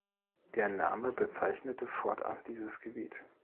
Der Name bezeichnete fortan dieses Gebiet.